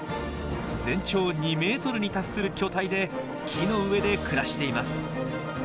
全長２ｍに達する巨体で木の上で暮らしています。